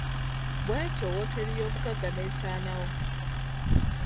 Bw'etyo wooteri y'omuggaga n'essaanawo.